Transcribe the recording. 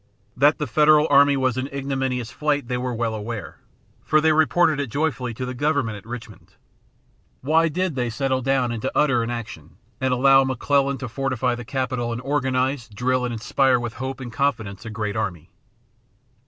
That the Federal army was in ignominious flight they were well aware, for they reported it joyfully to the government at Richmond. Why did they settle down into utter inaction and allow McClellan to fortify the capital and organize, drill and inspire with hope and confidence a great army?